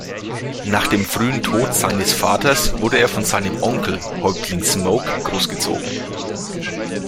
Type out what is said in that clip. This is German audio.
Nach dem frühen Tod seines Vaters wurde er von seinem Onkel, Häuptling Smoke, großgezogen.